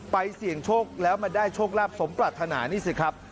เสี่ยงโชคแล้วมาได้โชคลาภสมปรัฐนานี่สิครับ